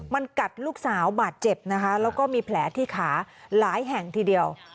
มันกัดลูกสาวบาดเจ็บนะคะแล้วก็มีแผลที่ขาหลายแห่งทีเดียว